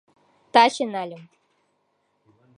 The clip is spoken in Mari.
Таче нальым.